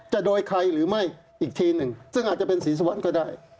โดยใครหรือไม่อีกทีหนึ่งซึ่งอาจจะเป็นศรีสวรรค์ก็ได้